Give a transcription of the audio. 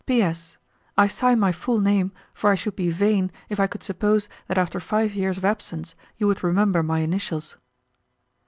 "P.S.—I sign my full name, for I should be vain if I could suppose that after five years of absence you would remember my initials."